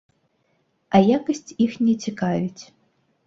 А якасць іх не цікавіць.